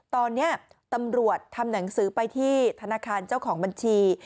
ตอนนี้ตำรวจทำหนังสือไปที่ธนาคารเจ้าของบัญชี